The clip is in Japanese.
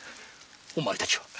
お前たちは？